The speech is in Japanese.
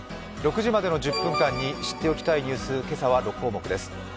６時までの１０分間に知っておきたいニュース、けさは６項目です。